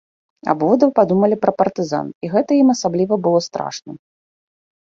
Абодва падумалі пра партызан, і гэта ім асабліва было страшным.